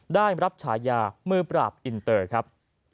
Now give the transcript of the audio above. ได้รับฉายามือปราบอินเตอร์ครับ